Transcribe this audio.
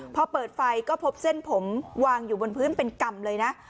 พอเปิดไฟก็พบเส้นผมวางอยู่บนพื้นเป็นกรรมเลยนะ